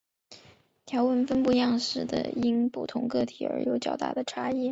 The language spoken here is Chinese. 条纹分布样式的因不同个体而有较大的差异。